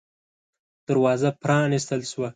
دروازه پًرانيستل شوه.